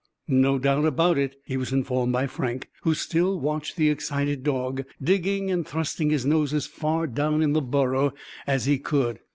"No doubt about it," he was informed by Frank, who still watched the excited dog, digging and thrusting his nose as far down in the burrow as he could.